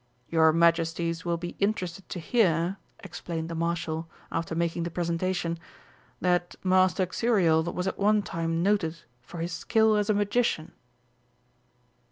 "Your Majesties will be interested to hear," explained the Marshal, after making the presentation, "that Master Xuriel was at one time noted for his skill as a magician."